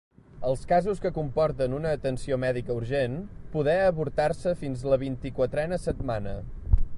Els casos que comporten una atenció mèdica urgent poder avortar-se fins a la vint-i-quatrena setmana.